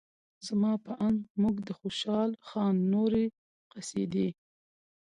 زما په اند موږ د خوشال خان نورې قصیدې